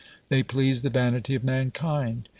They please the vanity of mankind.